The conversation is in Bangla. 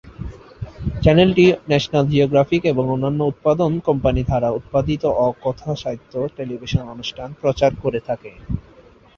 চ্যানেলটি ন্যাশনাল জিওগ্রাফিক এবং অন্যান্য উৎপাদন কোম্পানি দ্বারা উৎপাদিত অ-কথাসাহিত্য টেলিভিশন অনুষ্ঠান প্রচার করে থাকে।